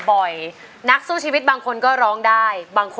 ขอบคุณที่หัวออกมุมก็ดีนะครับ